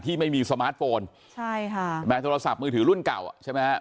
ที่ไม่มีสมาร์ทโฟนแม้โทรศัพท์มือถือรุ่นเก่า